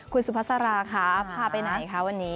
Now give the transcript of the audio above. คุณสุภาษาราคะพาไปไหนคะวันนี้